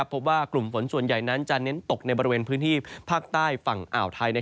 พบว่ากลุ่มฝนส่วนใหญ่นั้นจะเน้นตกในบริเวณพื้นที่ภาคใต้ฝั่งอ่าวไทย